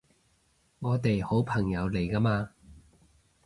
我哋好朋友嚟㗎嘛